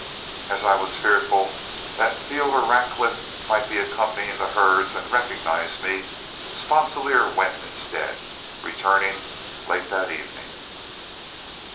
As I was fearful that Field or Radcliff might be accompanying the herds, and recognize me, Sponsilier went instead, returning late that evening.